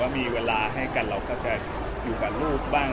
มีเวลาให้กันเราก็จะอยู่กับลูกบ้าง